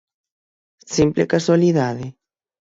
Simple casualidade?